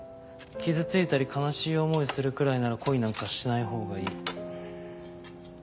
傷ついたり悲しい思いするくらいなら恋なんかしないほうがいい。